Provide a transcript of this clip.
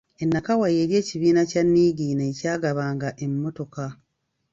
E Nakawa y’eri ekibiina kya Niigiina ekyagabanga emmotoka.